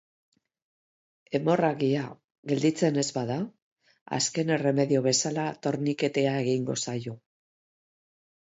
Hemorragia gelditzen ez bada, azken erremedio bezala, torniketea egingo zaio.